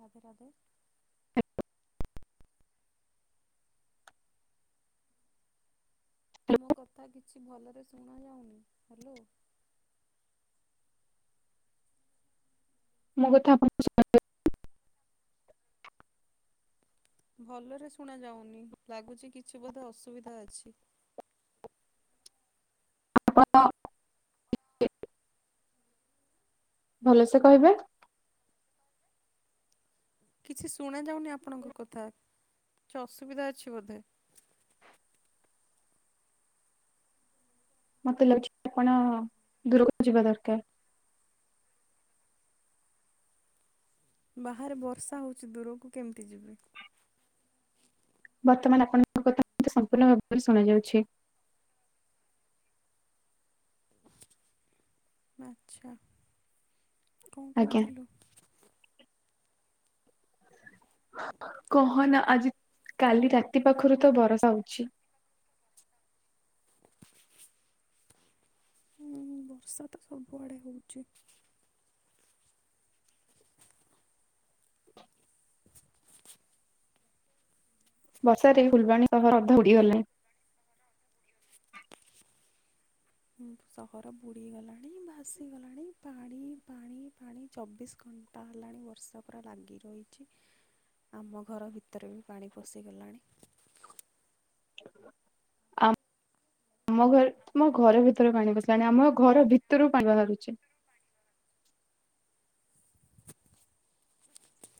ରାଧେ ରାଧେ। ହ ତୁମ କଥା କିଛି ଭଲରେ ଶୁଣା ଯାଉନି। ହ୍ୟାଲୋ। ମୋ କଥା ଆପଣଙ୍କୁ [unintelligible] ଭଲରେ ଶୁଣା ଯାଉନି ଲାଗୁଚି କିଛି ବୋଧେ ଅସୁବିଧା ଅଛି। ଆପଣ ଟିକେ ଭଲସେ କହିବେ। କିଛି ଶୁଣାଯାଉନି ଆପଣଙ୍କ କଥା କିଛି ଅସୁବିଧା ଅଛି ବୋଧେ? ମତେ ଲାଗୁଚି ଆପଣ ଦୂରକୁ ଯିବା ଦରକାର। ବାହାରେ ବର୍ଷା ହଉଚି ଦୂରକୁ କେମିତି ଯିବି? ବର୍ତ୍ତମାନ ଆପଣଙ [unintelligible] କଥା ମତେ ସମ୍ପୂର୍ଣ୍ଣ ଭାବରେ ଶୁଣାଯାଉଛି। ଆଛା କଣ ଆଜ୍ଞା କରୁଥିଲୁ? କଣ କହନା କ ଆଜି କାଲି ରାତି ପାଖରୁ ତ ବରଷା ହଉଛି। ହୁଁ ବର୍ଷା ତ ସବୁଆଡ଼େ ହେଉଚି। ବସାରେ ଫୁଲବାଣୀ ସହର ଅଧା ବୁଡ଼ିଗଲାଣି। ସହର ବୁଡ଼ିଗଲାଣି ଭାସିଗଲାଣି ପାଣି ପାଣି ପାଣି ଚବିଶ ଘଣ୍ଟା ହେଲାଣି ବର୍ଷା ପୂରା ଲାଗି ରହିଚି। ଆମ ଘର ଭିତରେ ବି ପାଣି ପଶିଗଲାଣି। ଆମ ଆମ ଘରେ ତମ ଘର ଭିତରେ ପାଣି ବସିଲାଣି ଆମ ଘର ଭିତରୁ ପାଣି ବାହାରୁଚି।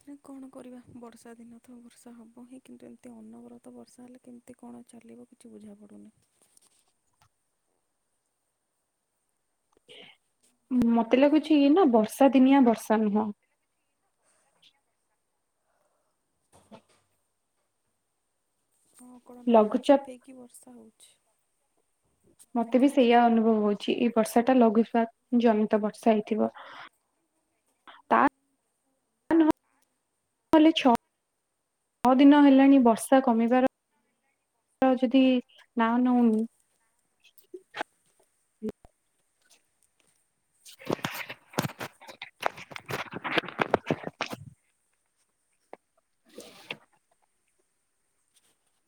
ସେ କଣ କରିବା ବର୍ଷା ଦିନ ତ ବର୍ଷା ହବ ହିଁ, କିନ୍ତୁ ଏମିତି ଅନବରତ ବର୍ଷା ହେଲେ କେମ ଏତେ କଣ ଚାଲିବ କିଛି ବୁଝାପଡୁନି। ମତେ ଲାଗୁଛି ଇଏ ନା ବର୍ଷା ଦିନିଆ ବର୍ଷା ନୁହଁ। ହଁ କଣ ଲଘୁଚାପ ହେଇକି ବର୍ଷା ହଉଛି। ମତେ ବି ସେଇୟଆ ଅନୁଭବ ହଉଛି ଏଇ ବର୍ଷା ଟା ଲଘୁଥିବା ଜମିତ ବର୍ଷା ହେଇଥିବ। ତା କାଲି ଛଅ ଦିନ ହେଲାଣି ବର୍ଷା କମିବାର ଯଦି ନା ନଉନି। [inaudible]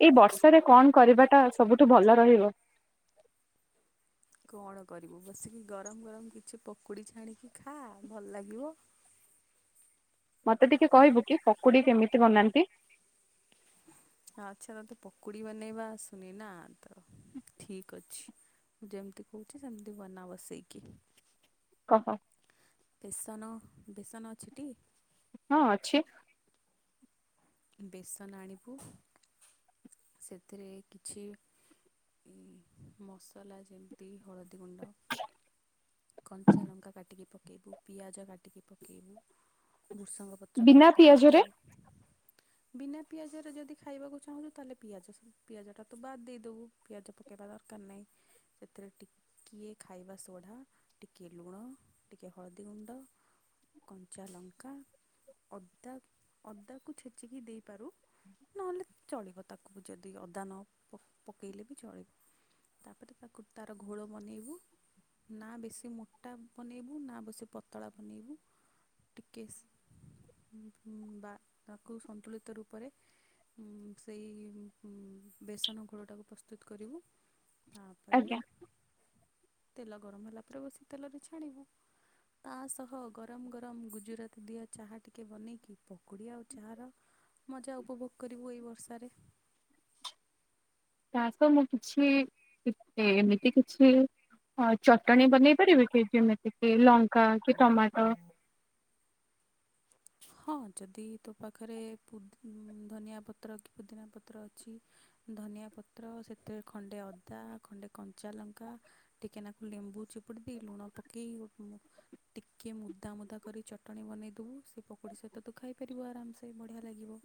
ଏଇ ବର୍ଷାରେ କଣ କରିବାଟା ସବୁଠୁ ଭଲ ରହିବ? କଣ କରିବୁ ବସିକି ଗରମ ଗରମ କିଛି ପକୋଡି ଛାଣିକି ଖାଆ ଭଲ ଲାଗିବ। ମତେ ଟିକେ କହିବୁ କି ପକୁଡି କେମିତି ବନାନ୍ତି? ଆଚ୍ଛା ତତେ ପକୁଡି ବନେଇବା ଆସୁନି ନା ତ ଠିକ ଅଛି। ମୁଁ ଯେମିତି କହୁଛି ସେମିତି ବନା ବସେଇକି। କହ। ବେସନ ବେସନ ଅଛିଟି? ହଁ ଅଛି। ବେସନ ଆଣିବୁ ସେଥିରେ କିଛି ମସଲା ଯେ ତି ହଳଦୀ ଗୁଣ୍ଡ କଞ୍ଚା ଲଙ୍କା କାଟିକି ପକେଇବୁ। ପିଆଜ କାଟିକି ପକେଇବୁ। ଭୃଷଙ୍ଗ ପତ୍ର ବିନା କାଟିକି ପିଆଜରେ ପକେଇବୁ। ବିନା ପିଆଜରେ ଯଦି ଖାଇବାକୁ ଚାହୁଁଛୁ ତାହେଲେ ପିଆଜ ପିଆଜଟା ତୁ ବାଦ୍ ଦେଇଦେବୁ। ପିଆଜ ପକେଇବା ଦରକାର ନାହିଁ। ସେଥିରେ ଟି କିଏ ଖାଇବା ସୋଢ଼ା ଟିକେ ଲୁଣ ଟିକେ ହଳଦୀ ଗୁଣ୍ଡ କଞ୍ଚା ଲଙ୍କା ଅଦା ଅଦାକୁ ଛେଚିକି ଦେଇପାରୁ। ନହେଲେ ଚଳିବ। ତାକୁ ବି ଯଦି ଅଦା ନ ପକାଇଲେ ବି ଚଳିବ। ତାପରେ ତା କୁପ୍ତାର ଘୋଳ ବନେଇବୁ। ନା ବେଶୀ ମୋଟା ବନେଇବୁ ନା ବେଶୀ ପତଳା ବନେଇବୁ। ଟିକେସ୍ ବା କୁ ସନ୍ତୁଳିତ ରୂପରେ ଊ ସେଇ ବେସନ ଘୋଳଟାକୁ ପ୍ରସ୍ତୁତ କରିବୁ। ତାପରେ ଆଜ୍ଞା ତେଲ ଗରମ ହେଲା ପରେ ବସି ତେଲରେ ଛାଣିବୁ। ତା ସହ ଗରମ ଗରମ ଗୁଜୁରାତ ଦିଅ ଚାହା ଟିକେ ବନେଇକି ପକୁଡି ଆଉ ଚାର ମଜା ଉପଭୋଗ କରିବୁ ଏଇ ବର୍ଷାରେ। ତାସ ମୁଁ କିଛି ଏମିତି କିଛି ହଁ ଚଟଣି ବନେଇ ପାରିବେ କି ଯେମିତି କି ଲଙ୍କା କି ଟମାଟ? ହ ହଁ ଯଦି ତୋ ପାଖରେ ପୁଦି ଧନିଆ ପତ୍ର କି ପୁଦିନା ପତ୍ର ଅଛି ଧନିଆ ପତ୍ର ସେଥିରେ ଖଣ୍ଡେ ଅଦା ଖଣ୍ଡେ କଞ୍ଚା ଲଙ୍କା ଟିକେ ନାକୁ ଲେମ୍ବୁ ଚିପୁଡ଼ି ଦେଇ ଲୁଣ ପକେଇ [unintelligible] ଟିକିଏ ମୁଦା ମୁଦା କରି ଚଟଣି ବନେଇଦେବୁ। ସେ ପକୋଡ଼ି ସହିତ ତୁ ଖାଇପାରିବୁ ଆରାମସେ ବଢ଼ିଆ ଲାଗିବ।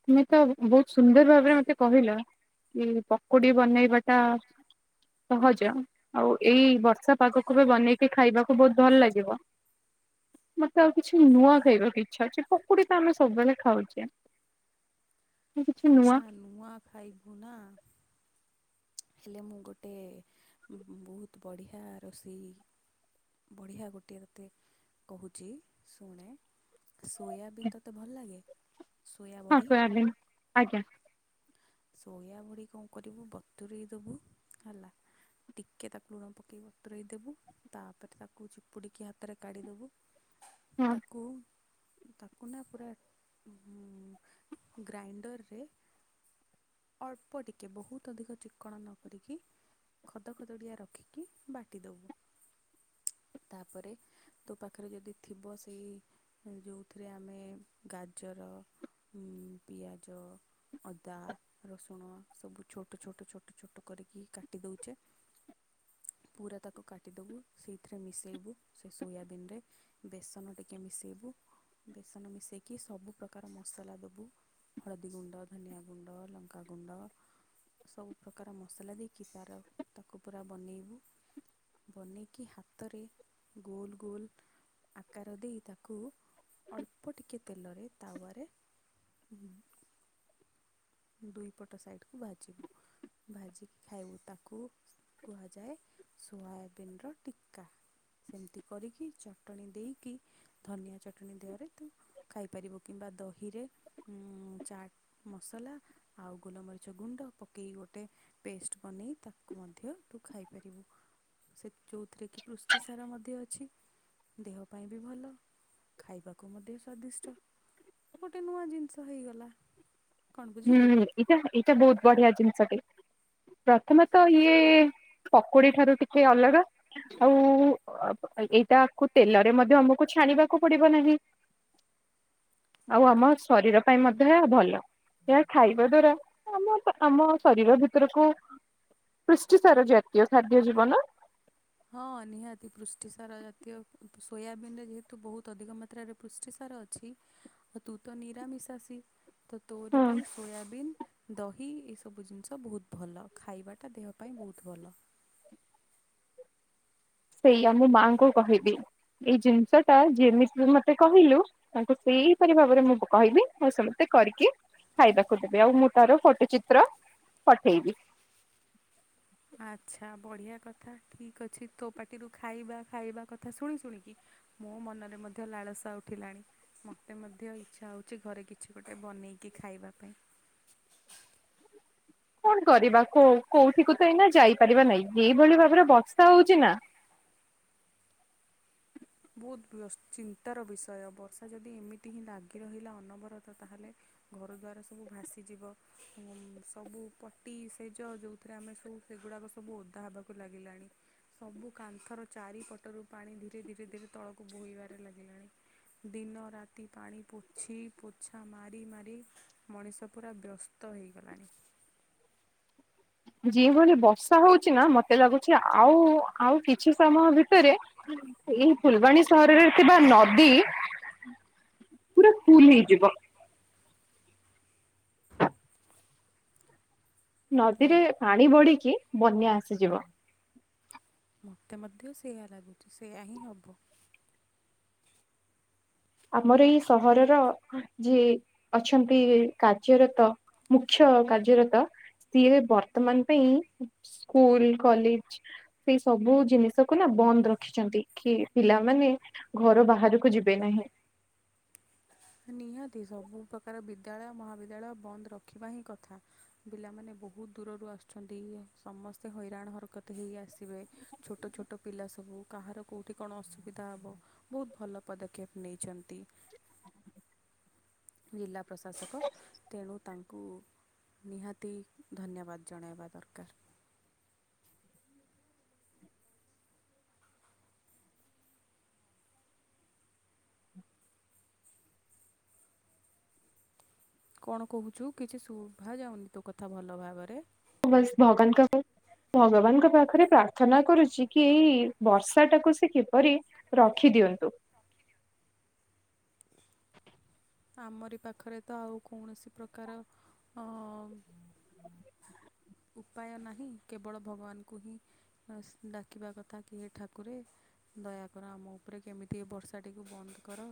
ତମେ ତ ବହୁତ ସୁନ୍ଦର ଭାବରେ ମତେ କହିଲ କି ପକୁଡି ବନେଇବା ଟା ସହଜ। ଆଉ ଏଇ ବର୍ଷା ପାଗକୁ ବି ବନେଇକି ଖାଇବାକୁ ବହୁତ ଭଲ ଲାଗିବ। ମତେ ଆଉ କିଛି ନୂଆ ଖାଇବା ଇଛା ଅଛି ପକୁଡି ତ ଆମେ ସବୁବେଳେ ଖାଉଛୁ। ଚା। ଚା ନୂଆ ଖାଇବୁ ନା। ହେଲେ ମୁଁ ଗୋଟେ ବହୁତ୍ ବଢ଼ିଆ ରୋଷେଇ ବଢ଼ିଆ ଗୋଟିଏ ତୋତେ କହୁଚି ଶୁଣେ। ସୋୟାବିନ୍ ତତେ ଭଲ ଲାଗେ? ସୋୟା ହଁ ବଢ଼ି ସୋୟାବିନ୍ ଆଜ୍ଞା। ସୋୟାବଡ଼ି କଣ କରିବୁ ବତୁରେଇ ଦବୁ ହେଲା। ଟିକେ ତାକୁ ଲୁଣ ପକେଇ ବତୁରେଇ ଦବୁ। ତାପରେ ତାକୁ ଚିପୁଡ଼ିକି ହାତରେ କାଢ଼ିଦବୁ। ହଁ ତାକୁ ତାକୁ ନା ପୁରା ଉଁ ଗ୍ରାଇଣ୍ଡରରେ ଅଳ୍ପ ଟିକେ ବହୁତ୍ ଅଧିକ ଚିକ୍କଣ ନ କରିକି ଖଦ ଖଦଡ଼ିଆ ରଖିକି ବାଟି ଦବୁ। ତାପରେ ତୋ ପାଖରେ ଯଦି ଥିବ ସେଇ ଯୋଉଥିରେ ଆମେ ଗାଜର ଉଁ ପିଆଜ ଅଦା ରସୁଣ ସବୁ ଛୋଟ ଛୋଟ ଛୋଟ ଛୋଟ କରିକି କାଟି ଦଉଚେ ପୁରା ତାକୁ କାଟିଦବୁ। ସେଇଥିରେ ମିଶେଇବୁ ସେ ସୋୟାବିନ୍ ରେ। ବେସନ ଟିକେ ମିଶେଇବୁ। ବେସନ ମିଶେଇକି ସବୁ ପ୍ରକାର ମସଲା ଦବୁ। ହଳଦୀ ଗୁଣ୍ଡ, ଧନଆ ଗୁଣ୍ଡ, ଲ ଙ୍କା ଗୁଣ୍ଡ, ସବୁ ପ୍ରକାର ମସଲା ଦେଇକି ତାର ତାକୁ ପୁରା ବନେଇବୁ। ବନେଇକି ହାତରେ ଗୋଲ ଗୋଲ୍ ଆକାର ଦେଇ ତାକୁ ଅଳ୍ପ ଟିକେ ତେଲରେ ତାୱାରେ ହୁଁ। ଦୁଇ ପଟ ସାଇଟ୍ କୁ ଭାଜିବୁ। ଭାଜିକି ଖାଇବୁ। ତାକୁ କୁହାଯାଏ ସୋୟାବିନ୍ ର ଟିକ୍କା। ସେମତି କରିକି ଚଟଣି ଦେଇକି ଧନିଆ ଚଟଣି ଦେହରେ ତୁ ଖାଇପାରିବୁ। କିମ୍ବା ଦହିରେ ଉଁ ଚାଟ୍ ମସଲା ଆଉ ଗୋଲମରିଚ ଗୁଣ୍ଡ ପକେଇକି ଗୋଟେ ପେଷ୍ଟ ବନେଇ ତାକୁ ମଧ୍ୟ ତୁ ଖାଇପାରିବୁ। ସେ ଯୋଉଥିରେ କି ପୃଷ୍ଟି ସାର ମଧ୍ୟ ଅଛି। ଦେହ ପାଇଁ ବି ଭଲ। ଖାଇବାକୁ ମଧ୍ୟ ସ୍ୱାଦିଷ୍ଟ। ଗୋଟେ ନୂଆ ଜିନିଷ ହେଇଗଲା। କଣ ହୁଁ। ବୁଝିଲୁ। ଏଇଟା ଏଇଟା ବହୁତ୍ ବଢ଼ିଆ ଜିନିଷଟେ। ପ୍ରଥମେ ତ ଇଏ ପକୁଡି ଠାରୁ ଟିକେ ଅଲଗା। ଆଉ ଏଇଟାକୁ ତେଲରେ ମଧ୍ୟ ଆମକୁ ଛାଣିବାକୁ ପଡିବ ନାହିଁ। ଆଉ ଆମ ଶରୀର ପାଇଁ ମଧ୍ୟ ଏହା ଭଲ। ଏହା ଖାଇବା ଦ୍ଵାରା ଆମ ଆମ ଶରୀର ଭିତରକୁ ପୃଷ୍ଟିସାର ଜାତୀୟ ଖାଦ୍ୟ ଜୀବ ନା। ହଁ ନିହାତି। ପୃଷ୍ଟିସାର ଜାତୀୟ ସୋୟାବିିନ ରେ ଯେହେତୁ ବହୁତ୍ ଅଧିକ ମାତ୍ରାରେ ପୃଷ୍ଟିସାର ଅଛି, ତୁ ତ ନିରାମିଶାସି ତ ତୋରି ହଁ ପାଇଁ ସୋୟାବିନ୍ ଦହି ଏସବୁ ଜିନିଷ ବହୁତ୍ ଭଲ। ଖାଇବାଟା ଦେହ ପାଇଁ ବହୁତ୍ ଭଲ। ସେଇଆ ମୁଁ ମାଙ୍କୁ କହିବି। ଏଇ ଜିନିଷ ଟା ଯେମିତି ତୁ ମତେ କହିଲୁ ତାଙ୍କୁ ସେଇପରି ଭାବରେ ମୁଁ କହିବି ଆଉ ସେ ମତେ କରିକି ଖାଇବାକୁ ଦେବେ। ଆଉ ମୁଁ ତାର ଫୋଟୋ ଚିତ୍ର ପଠେଇବି। ଆଚ୍ଛା। ବଢ଼ିଆ କଥା ଠିକ୍ ଅଛି। ତୋ ପାଟିରୁ ଖାଇବା ଖାଇବା କଥା ଶୁଣି ଶୁଣିକି ମୋ ମନରେ ମଧ୍ୟ ଲାଳସା ଉଠିଲାଣି। ମତେ ମଧ୍ୟ ଇଚ୍ଛା ହେଉଚି ଘରେ କିଛି ଗୋଟେ ବନେଇକି ଖାଇବା ପାଇଁ। କଣ କରିବା କୋଉ କୋଉଠିକୁ ତ ଏଇନା ଯାଇପାରିବା ନାହିଁ। ଯେଉଭଳି ଭାବରେ ବର୍ଷା ହଉଚି ନା ବହୁତ୍ ବ୍ୟା ଚିନ୍ତାର ବିଷୟ ବର୍ଷା ଯଦି ଏମିତି ହିଁ ଲାଗି ରହିଲା ଅନବରତ ତାହେଲେ ଘରଦ୍ୱାର ସବୁ ଭାସିଯିବ ସବୁ ପଟି ସେଜ ଯୋଉ ଥିରେ ଆମେ ସବୁ ସେଗୁଡ଼ାକ ସବୁ ଓଦା ହେବାକୁ ଲାଗିଲାଣି। ସବୁ କାନ୍ଥର ଚାରିପଟରୁ ପାଣି ଧୀରେ-ଧୀରେ-ଧୀରେ ତଳକୁ ବୋହିବାରେ ଲାଗିଲାଣି। ଦିନ ରାତି ପାଣି ପୋଛିି ପୋଛା ମାରି-ମାରି ମଣିଷ ପୁରା ବ୍ୟସ୍ତ ହେଇଗଲାଣି। ଯେଉଁ ଭଳି ବର୍ଷା ହୋଉଛି ନା ମତେ ଲାଗୁଚି ଆଉ-ଆଉ କିଛି ସମୟ ଭିତରେ ଏହି ଫୁଲବାଣୀ ସହରରେ ଥିବା ନଦୀ ପୁରା ଫୁଲ୍ ହେଇଯିବ। ଲା ନଦୀରେ ପାଣି ବଢିକି ବନ୍ୟା ଆସିଯିବ। ମତେ ମଧ୍ୟ ସେୟା ଲାଗୁଚି ସେୟା ହିଁ ହବ। ଆମର ଏଇ ସହରର ଯିଏ ଅଛନ୍ତି କାର୍ଯ୍ୟରତ ମୁଖ୍ୟ କାର୍ଯ୍ୟରତ ସିଏ ବର୍ତ୍ତମାନ ପାଇଁ ସ୍କୁଲ କଲେଜ୍। ସେଇ ସବୁ ଜିନିଷକୁ ନା ବନ୍ଦ ରଖିଛନ୍ତି କି ପିଲାମାନେ ଘର ବାହାରକୁ ଯିବେ ନାହିଁ। ନିହାତି ସବୁ ପ୍ରକାର ବିଦ୍ୟାଳୟ ମହାବିଦ୍ୟାଳୟ ବନ୍ଦ ରଖିବା ହିଁ କଥା। ପିଲାମାନେ ବହୁତ ଦୂରରୁ ଆସୁଚନ୍ତି ସମସ୍ତେ ହଇରାଣ ହରକତ ହେଇ ଆସିବେ। ଛୋଟ ଛୋଟ ପିଲା ସବୁ କାହାର କୋଉଠି କଣ ଅସୁବିଧା ହେବ। ବୋହୁତ ଭଲ ପଦକ୍ଷେପ ନେଇଚନ୍ତି। ଜିଲ୍ଲା ପ୍ରଶାସକ ତେଣୁ ତାଙ୍କ କୁ ନିହାତି ଧନ୍ୟବାଦ ଜଣାଇବା ଦରକାର। କଣ କହୁଛୁ କିଛି ଶୁଭା ଯାଉନି ତତୋ କଥା ଭଲ ଭାବରେ? ବାଶ୍ ଭଗବାନଙ୍କ ଭଗବାନଙ୍କ ପାଖରେ ପ୍ରାର୍ଥନା କରୁଚି। କି ଏଇ ବର୍ଷା ଟାକୁ ସେ କିପରି ରଖିଦିଅନ୍ତୁ। ଆମରି ପାଖରେ ତ ଆଉ କୌଣସି ପ୍ରକାର ଅ ଉପାୟ ନାହିଁ କେବଳ ଭଗବାନଙ୍କୁ ହିଁ ବାସ୍ ଡାକିବା କଥା କିଏ ହେ ଠାକୁରେ। ଦୟାକର ଆମ ଉପରେ କେମିତି ଏ ବର୍ଷାଟିକୁ ବନ୍ଦ କର।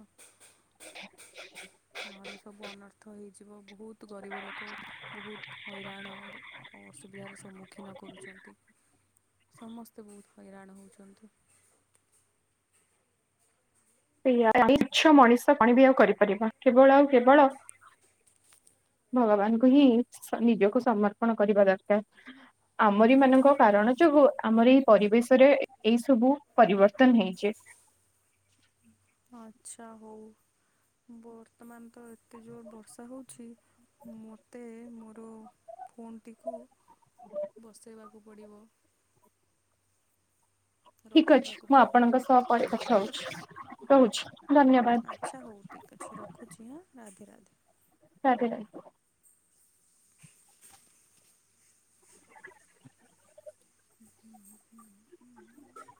[unintelligible] ନହେଲେ ସବୁ ଅନର୍ଥ ହେଇଯ ଯିବ ବୋହୁତ୍ ବୋହୁତ୍ ଗରିବ ଲୋକ ବୋହୁତ୍ ହଇରାଣର ଅସୁବିଧାର ସମ୍ମୁଖୀନ କରୁଚନ୍ତି। [inaudible] ସମସ୍ତେ ବୋହୁତ ହଇରାଣ ହୋଉଚନ୍ତି। ସେଇଆବି ଛମଣିଷ କଣ ବି ଆଉ କରିପାରିବା କେବଳ ଆଉ କେବଳ ଭଗବାନଙ୍କୁ ହିଁ ସନି ନିଜକୁ ସମର୍ପଣ କରିବା ଦରକାର। ଆମରି ମାନଙ୍କ କାରଣ ଯୋଗୁ ଆମର ଏଇ ପରିବେଶରେ ଏଇ ସବୁ ପରିବର୍ତ୍ତନ ହେଇଚେ। ଆଛା ବୋଉ ବର୍ତ୍ତମାନ ତ ଏତେ ଜୋର ବର୍ଷା ହୋଉଚି। ମୋତେ ମୋର ଫୋନ୍ ଟିକୁ ବସେଇବାକୁ ପଡ଼ିବ। ଠିକ ଅଛି ରଖିବାକୁ ମୁଁ ପଡ଼ିବ। ଆପଣଙ୍କ ସହ ପରେ କଥା ହେଉଚି ରହୁଚି ଧନ୍ୟବାଦ। ଆଛା ହୋଉ ଠିକ୍ ଅଛି ରଖୁଚି ହଁ ରାଧେ ରାଧେ। ରାଧେ ରାଧେ। ହଁ ହୁଁ ହୁଁ ହୁଁ।